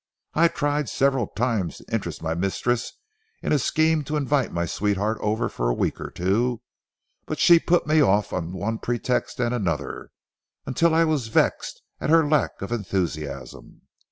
I tried several times to interest my mistress in a scheme to invite my sweetheart over for a week or two, but she put me off on one pretext and another until I was vexed at her lack of enthusiasm.